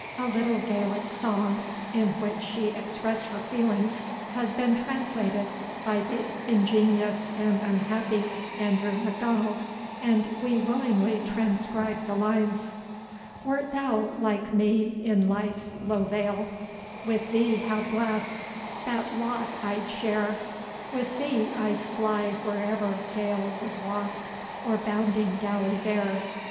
A little Gaelic song, in which she expressed her feelings, has been translated by the ingenious and unhappy Andrew M'Donald; and we willingly transcribe the lines: Wert thou, like me, in life's low vale, With thee how blest, that lot I'd share; With thee I'd fly wherever gale Could waft, or bounding galley bear.